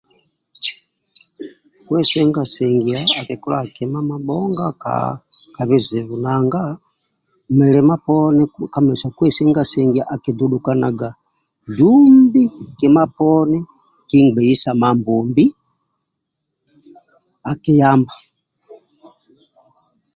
Kusenga sengia akikolaga mabhonga ka ka bizibu nanga mulima poni kamesia kwesenga sengya akidudhukanaga dumbi kima poni kingbeisa Mambombi akiyamba